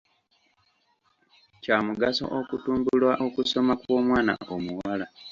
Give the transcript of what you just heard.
Kya mugaso okutumbula okusoma kw'omwana omuwala.